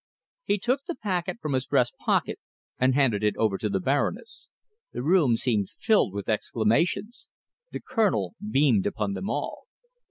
He took the packet from his breast pocket and handed it over to the Baroness. The room seemed filled with exclamations. The Colonel beamed upon them all.